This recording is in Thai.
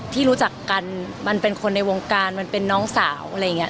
ที่รู้จักกันมันเป็นคนในวงการมันเป็นน้องสาวอะไรอย่างนี้